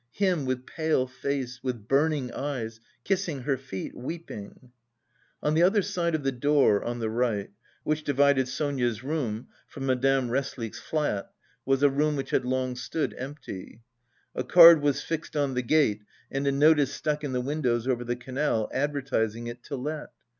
him with pale face, with burning eyes... kissing her feet, weeping. On the other side of the door on the right, which divided Sonia's room from Madame Resslich's flat, was a room which had long stood empty. A card was fixed on the gate and a notice stuck in the windows over the canal advertising it to let.